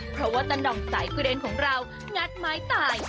เพราะว่าตะน่องสายเกรนของเรางัดไม้ตาย